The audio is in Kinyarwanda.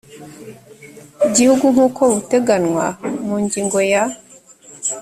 gihugu nk uko buteganywa mu ngingo ya